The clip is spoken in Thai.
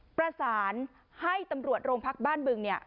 ประสานให้ตำรวจโรงพักบ้านบึงเนี่ย